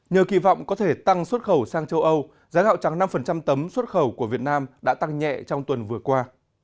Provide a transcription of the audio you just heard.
nhờ kỳ vọng có thể tăng xuất khẩu sang châu âu giá gạo trắng năm tấm xuất khẩu của việt nam đã tăng nhẹ trong tuần vừa qua